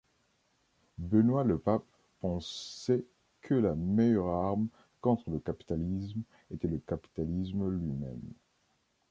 Benoît Lepape pensait que la meilleure arme contre le capitalisme était le capitalisme lui-même.